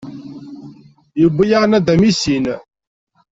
Yewwi-yaɣ nadam i sin.